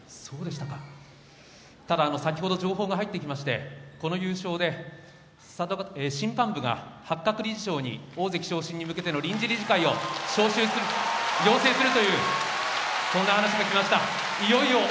先ほど、情報が入ってきましてこの優勝で審判部が八角理事長に大関昇進に向けての臨時理事会を招集すると要請するというそんな話がきました。